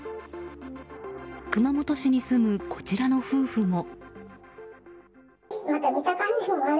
熊本市に住むこちらの夫婦も。